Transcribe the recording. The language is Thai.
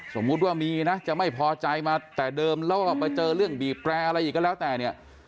สมมุติว่ามีนะจะไม่พอใจมาแต่เดิมแล้วก็ไปเจอเรื่องบีบแปรอะไรอีกก็แล้วแต่เนี่ย